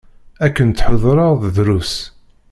Akken tḥudreḍ, drus.